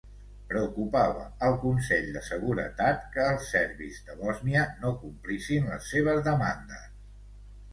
Preocupava al Consell de Seguretat que els serbis de Bòsnia no complissin les seves demandes.